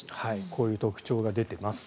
こういう特徴が出ています。